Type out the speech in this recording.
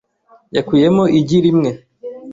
Yakuyemo igi rimwe .